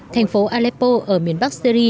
thành phố aleppo ở miền bắc syri